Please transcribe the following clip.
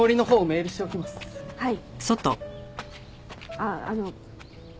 あっあの。